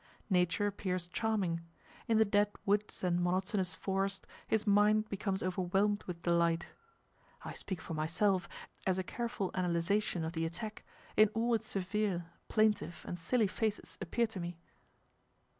Nature appears charming; in the dead woods and monotonous forest his mind becomes overwhelmed with delight. I speak for myself, as a careful analysation of the attack, in all its severe, plaintive, and silly phases, appeared to me.